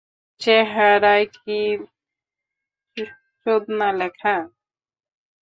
চেহারায় কী চোদনা লেখা?